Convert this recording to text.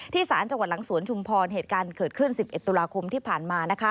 ศาลจังหวัดหลังสวนชุมพรเหตุการณ์เกิดขึ้น๑๑ตุลาคมที่ผ่านมา